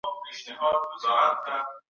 د ښکلا خبر په لپه کي دي